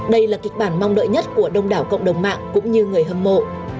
đây là kịch bản mong đợi nhất của đông đảo cộng đồng mạng cũng như người hâm mộ